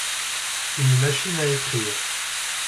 Une machine à écrire.